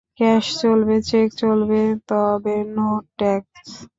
Cash চলবে, cheque চলবে, তবে নো ট্যাক্স।